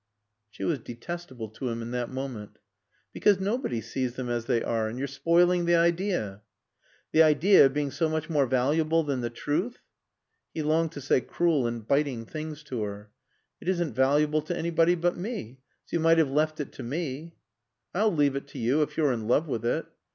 She was detestable to him in that moment. "Because nobody sees them as they are. And you're spoiling the idea." "The idea being so much more valuable than the truth." He longed to say cruel and biting things to her. "It isn't valuable to anybody but me, so you might have left it to me." "Oh, I'll leave it to you, if you're in love with it."